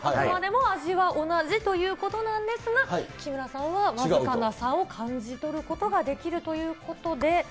味は同じということなんですが、木村さんは僅かな差を感じ取ることができるということで。